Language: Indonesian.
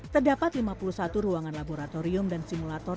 terdapat lima puluh satu ruangan laboratorium dan simulator